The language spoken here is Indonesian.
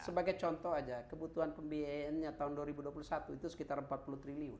sebagai contoh aja kebutuhan pembiayaannya tahun dua ribu dua puluh satu itu sekitar empat puluh triliun